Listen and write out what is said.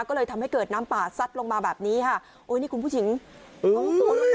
ก็เลยทำให้เกิดน้ำป่าซัดลงมาแบบนี้ค่ะโอ้ยนี่คุณผู้หญิงโอ้โห